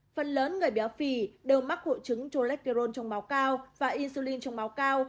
phần lớn người béo phì đều mắc hội chứng cholesterol trong máu cao và insulin trong máu cao